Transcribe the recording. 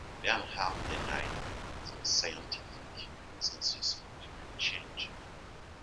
Bernhard denies the scientific consensus on climate change.